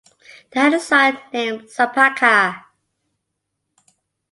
They had a son named Sapaca.